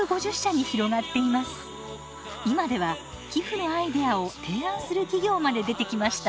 今では寄付のアイデアを提案する企業まで出てきました。